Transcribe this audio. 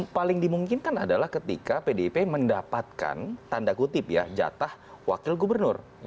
paling dimungkinkan adalah ketika pdip mendapatkan tanda kutip ya jatah wakil gubernur